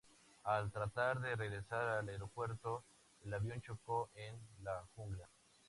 Al tratar de regresar al aeropuerto, el avión chocó en la jungla.